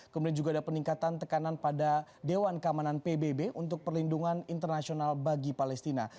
kemudian juga ada peningkatan tekanan pada dewan keamanan pbb untuk perlindungan internasional bagi palestina